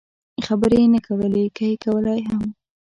خبرې یې نه کولې، که یې کولای هم.